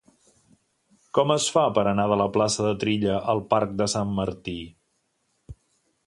Com es fa per anar de la plaça de Trilla al parc de Sant Martí?